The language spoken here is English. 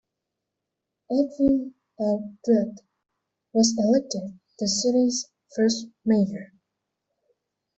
Edwin L. Dirck was elected the city's first mayor.